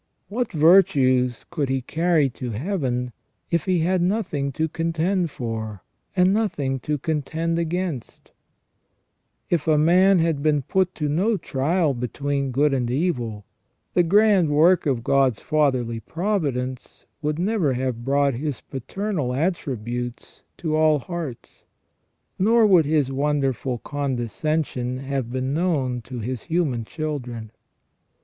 What virtues could he carry to Heaven if he had nothing to contend for, and nothing to contend against ? If a man had been put to no trial between good and evil, the grand work of God's fatherly providence would never have brought His paternal attributes to all hearts ; nor would His wonderful condescension have been known to His human children.